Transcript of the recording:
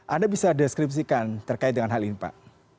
anda bisa deskripsikan terkait dengan hal ini pak